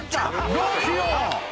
「どうしよう！」